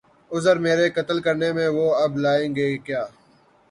عذر میرے قتل کرنے میں وہ اب لائیں گے کیا